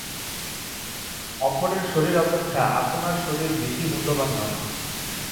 অপরের শরীর অপেক্ষা আপনার শরীর বেশী মূল্যবান নয়।